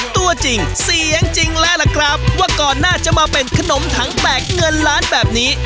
ตัวจริงเสียงจริงแล้วล่ะครับว่าก่อนหน้าจะมาเป็นขนมถังแตกเงินล้านแบบนี้